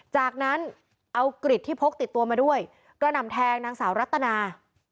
จากนั้นเอากริดที่พกติดตัวมาด้วยกระหน่ำแทงนางสาวรัตนา